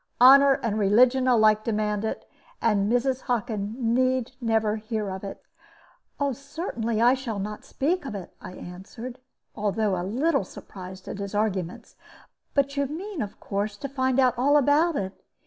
Honor and religion alike demand it; and Mrs. Hockin need never hear of it." "Certainly I shall not speak of it," I answered, though a little surprised at his arguments; "but you mean, of course, to find out all about it.